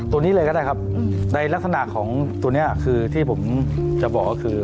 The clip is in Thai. ตัวนี้เลยก็ได้ครับในลักษณะของตัวนี้คือที่ผมจะบอกก็คือ